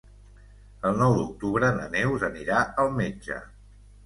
El nou d'octubre na Neus anirà al metge.